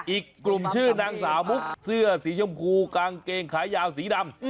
อีกกลุ่มชื่อนางสาวมุกเสื้อสีชมพูกางเกงขายาวสีดำ